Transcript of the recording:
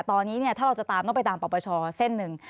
ตอนนี้ถ้าเราจะตามต้องไปตามปรปชเส้นหนึ่ง